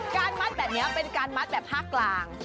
มัดแบบนี้เป็นการมัดแบบภาคกลาง